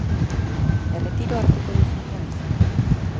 Erretiroa hartuko duzu inoiz?